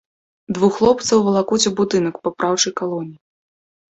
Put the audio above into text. Двух хлопцаў валакуць у будынак папраўчай калоніі.